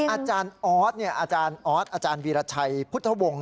อาจารย์ออสอาจารย์ออสอาจารย์วีรชัยพุทธวงศ์